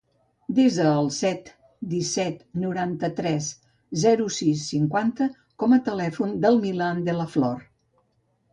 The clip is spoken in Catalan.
Desa el set, disset, noranta-tres, zero, sis, cinquanta com a telèfon del Milan De La Flor.